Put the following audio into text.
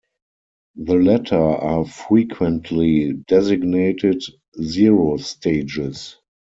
The latter are frequently designated "zero stages".